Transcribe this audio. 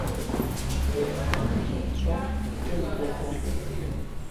Вес семынже Джон Пендлетон.